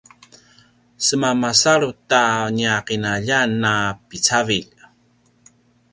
seman masalut a nia qinaljan a picavilj